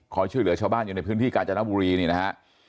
ช่วยเหลือชาวบ้านอยู่ในพื้นที่กาญจนบุรีนี่นะฮะ